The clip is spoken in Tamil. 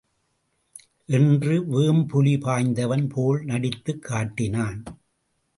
என்று வேம்புலி பயந்தவன் போல் நடித்து காட்டினான்.